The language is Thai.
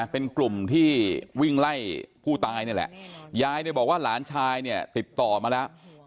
เป็นกลุ่มที่วิ่งไล่ผู้ตายนี่แหละยายเนี่ยบอกว่าหลานชายเนี่ยติดต่อมาแล้ว